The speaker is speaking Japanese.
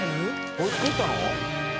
これ作ったの？